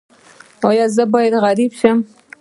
ایا زه باید غریب شم؟